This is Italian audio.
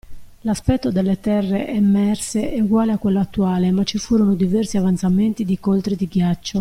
L'aspetto delle terre emerse è uguale a quello attuale ma ci furono diversi avanzamenti di coltri di ghiaccio.